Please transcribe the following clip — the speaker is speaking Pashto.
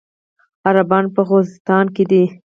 عربان په خوزستان کې دي.